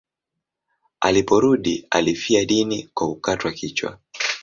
Aliporudi alifia dini kwa kukatwa kichwa.